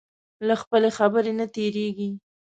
له خپلې خبرې نه تېرېږي.